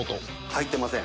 入ってません。